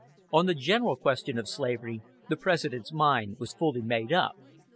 On the general question of slavery, the President's mind was fully made up.